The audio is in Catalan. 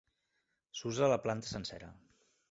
S'usa la planta sencera.